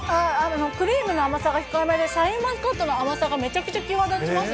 クリームの甘さが控えめで、シャインマスカットの甘さがめちゃくちゃ際立ちます。